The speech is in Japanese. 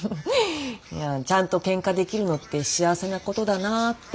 ちゃんと喧嘩できるのって幸せなことだなぁって。